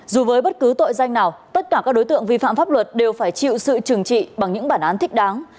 dù với bất cứ tội danh nào tất cả các đối tượng vi phạm pháp luật đều phải chịu sự trừng trị bằng những bản án thích đáng